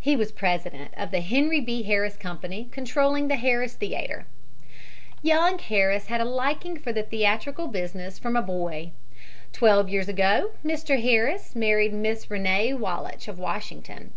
He was president of the Henry B. Harris Company controlling the Harris Theater. Young Harris had a liking for the theatrical business from a boy. Twelve years ago Mr. Harris married Miss Rene Wallach of Washington.